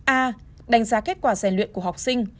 a đánh giá kết quả rèn luyện của học sinh